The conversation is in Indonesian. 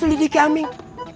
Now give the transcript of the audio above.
yang mau diselidiki aming